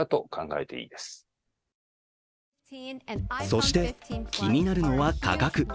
そして気になるのは価格。